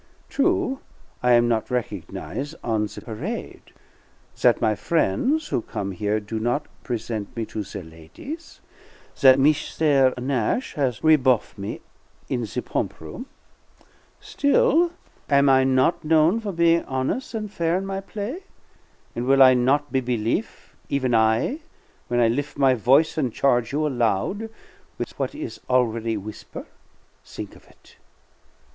True, I am not reco'nize on the parade; that my frien's who come here do not present me to their ladies; that Meestaire Nash has reboff' me in the pomp room; still, am I not known for being hones' and fair in my play, and will I not be belief, even I, when I lif' my voice and charge you aloud with what is already w'isper'? Think of it!